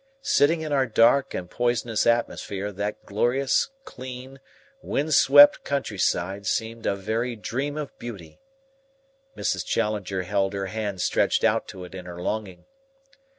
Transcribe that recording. Sitting in our dark and poisonous atmosphere that glorious, clean, wind swept countryside seemed a very dream of beauty. Mrs. Challenger held her hand stretched out to it in her longing.